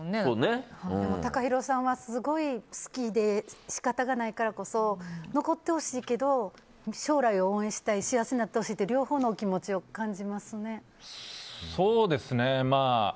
ＴＡＫＡＨＩＲＯさんはすごい好きで仕方がないからこそ残ってほしいけど将来を応援したいし幸せになってほしいっていう両方の気持ちを感じますね。